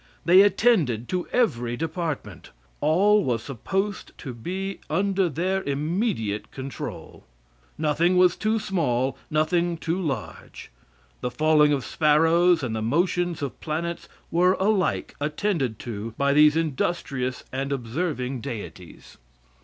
They attended to every department. All was supposed to be under their immediate control. Nothing was too small nothing too large; the falling of sparrows and the motions of planets were alike attended to by these industrious and observing deities.